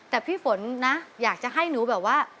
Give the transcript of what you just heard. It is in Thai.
แต่พี่ฝนนะอยากจะให้หนูแบบว่า